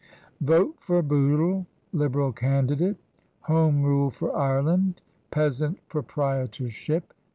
VOTE FOR BOOTLE, LIBERAL CANDIDATE. Home Rule for Ireland. Peasant Proprietorship.